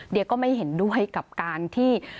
เดี๋ยวก็ไม่เห็นด้วยกับการที่